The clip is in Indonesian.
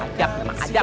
adab namanya adab